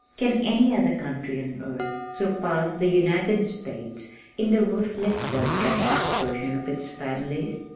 Can any other country on earth surpass the United States in the ruthless broadcast dispersion of its families?